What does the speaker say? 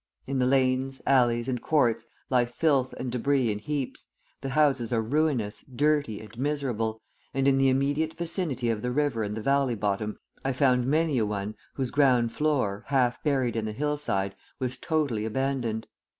In the lanes, alleys, and courts lie filth and debris in heaps; the houses are ruinous, dirty, and miserable, and in the immediate vicinity of the river and the valley bottom I found many a one, whose ground floor, half buried in the hillside, was totally abandoned.